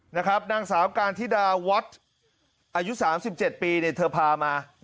นางสามการธิดาวัตต์อายุ๓๗ปีเธอพามา